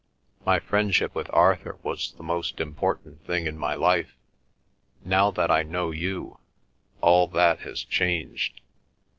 My friendship with Arthur was the most important thing in my life. Now that I know you, all that has changed.